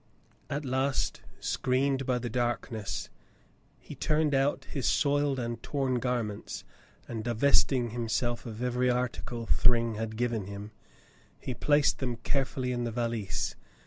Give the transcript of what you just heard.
At last, screened by the darkness, he turned out his soiled and torn garments, and divesting himself of every article Thryng had given him, he placed them carefully in the Valise.